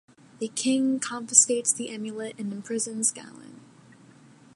The king confiscates the amulet and imprisons Galen.